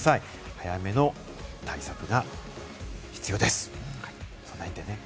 早めの対策が必要です、備えてね。